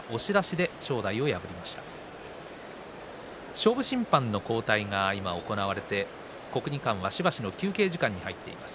勝負審判の交代が今、行われて国技館はしばしの休憩に入っています。